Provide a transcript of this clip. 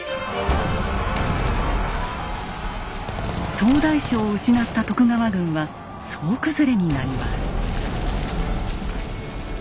総大将を失った徳川軍は総崩れになります。